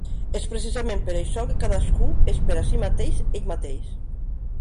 És precisament per això que cadascú és per a si mateix ell mateix.